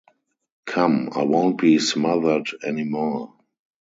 Come, I won't be smothered any more.